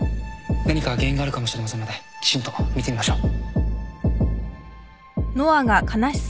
何か原因があるかもしれませんのできちんと見てみましょう。